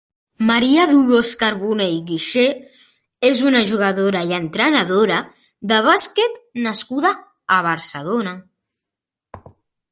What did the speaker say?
Maria Dolors Carbonell Guixé és una jugadora i entrenadora de bàsquet nascuda a Barcelona.